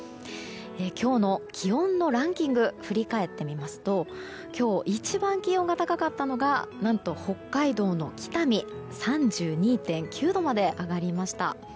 今日の気温のランキングを振り返ってみますと今日一番気温が高かったのが何と、北海道の北見３２．９度まで上がりました。